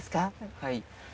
はい。